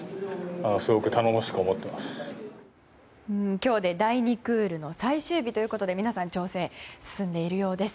今日で第２クールの最終日ということで皆さん調整進んでいるようです。